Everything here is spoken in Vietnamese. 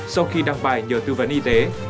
sau khi đăng bài nhờ tư vấn y tế